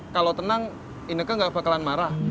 kalau tenang ineke gak bakalan marah